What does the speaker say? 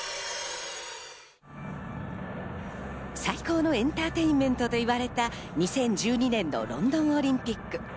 最高のエンターテインメントといわれた２０１２年のロンドンオリンピック。